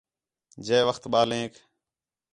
جئے وخت ٻالینک